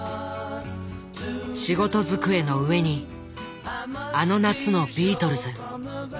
仕事机の上にあの夏のビートルズ。